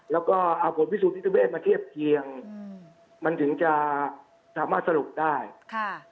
แล้วก็เอาผลพิสูจนนิติเวศมาเทียบเคียงอืมมันถึงจะสามารถสรุปได้ค่ะ